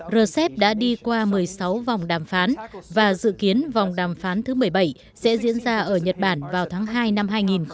rcep đã đi qua một mươi sáu vòng đàm phán và dự kiến vòng đàm phán thứ một mươi bảy sẽ diễn ra ở nhật bản vào tháng hai năm hai nghìn hai mươi